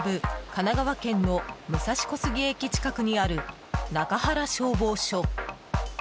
神奈川県の武蔵小杉駅近くにある中原消防署。